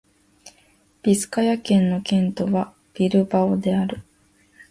ビスカヤ県の県都はビルバオである